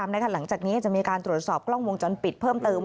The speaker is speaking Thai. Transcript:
หลังจากนี้จะมีการตรวจสอบกล้องวงจรปิดเพิ่มเติม